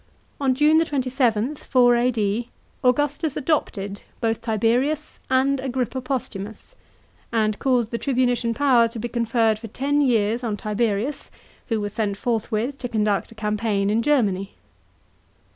On June 27, 4 A.D., Augustus adopted both Tiberius and Agrippa Postumus, and caused the tribunician power to be conferred for ten years on Tiberius, who was sent forthwith to conduct a campaign in Germany.